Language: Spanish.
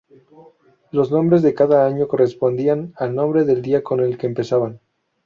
Los nombres de cada año correspondían al nombre del día con el que empezaban.